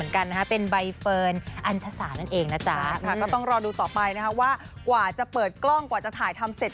ก็ต้องรอดูต่อไปนะคะว่ากว่าจะเปิดกล้องกว่าจะถ่ายทำเสร็จ